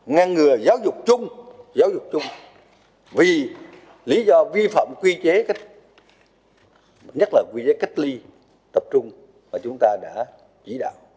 ngăn ngừa giáo dục chung vì lý do vi phạm quy chế cách ly tập trung mà chúng ta đã chỉ đạo